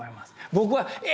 僕はえ？